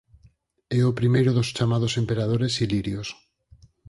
É o primeiro dos chamados emperadores ilirios.